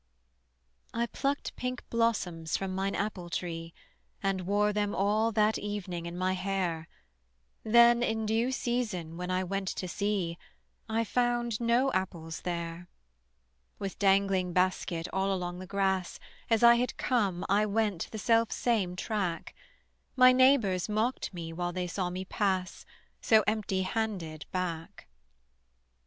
I plucked pink blossoms from mine apple tree, And wore them all that evening in my hair: Then in due season when I went to see I found no apples there. With dangling basket all along the grass As I had come I went the selfsame track: My neighbors mocked me while they saw me pass So empty handed back.